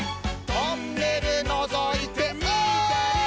「トンネルのぞいてみたり」